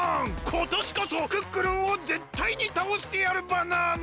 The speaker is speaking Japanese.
ことしこそクックルンをぜったいにたおしてやるバナナ！